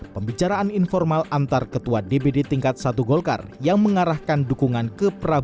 pembicaraan informal antar ketua dpd tingkat satu golkar yang mengarahkan dukungan ke prabowo